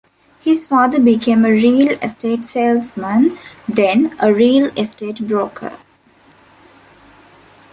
His father became a real estate salesman, then a real estate broker.